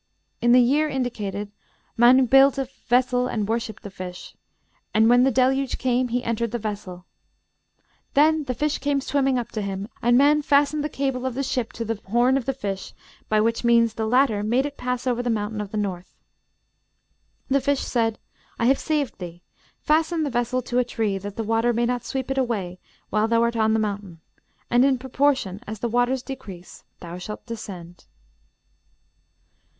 In the year indicated Mann built a vessel and worshipped the fish. And when the Deluge came he entered the vessel. Then the fish came swimming up to him, and Mann fastened the cable of the ship to the horn of the fish, by which means the latter made it pass over the Mountain of the North. The fish said, 'I have saved thee; fasten the vessel to a tree, that the water may not sweep it away while thou art on the mountain; and in proportion as the waters decrease thou shalt descend.'